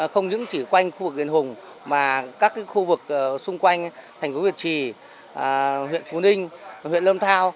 không những chỉ quanh khu vực đền hùng mà các khu vực xung quanh thành phố việt trì huyện phú ninh huyện lâm thao